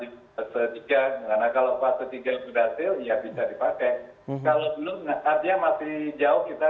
tapi karena ini terbuka baru dan belum ada buktinya